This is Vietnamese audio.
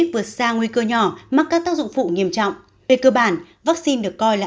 ích vượt xa nguy cơ nhỏ mắc các tác dụng phụ nghiêm trọng về cơ bản vắc xin được coi là